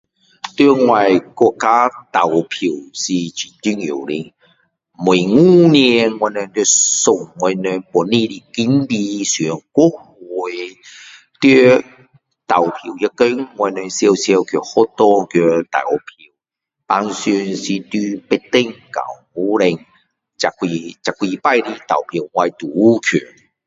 在我国家投票是很重要的，每五年我们要选我们本地阵地上国会在投票那天我们常常去学堂去投票，平常是在八点到五点，这几，这几次有投票我都有去。